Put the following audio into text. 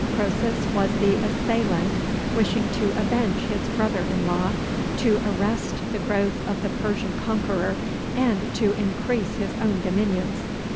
Croesus was the assailant, wishing to avenge his brother in law, to arrest the growth of the Persian conqueror, and to increase his own dominions.